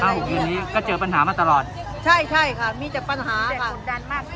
ห้าหกเดือนนี้ก็เจอปัญหามาตลอดใช่ใช่ค่ะมีแต่ปัญหาค่ะ